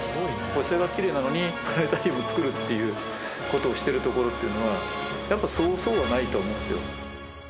星がきれいなのにプラネタリウムを造るっていう事をしてる所っていうのはやっぱそうそうはないと思うんですよ。